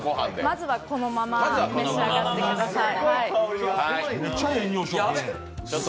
まずは、このまま召し上がってください。